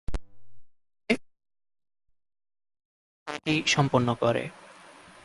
পরবর্তীতে এর কার্যক্রম ম্যাক্স প্লাংক সোসাইটি সম্পন্ন করে।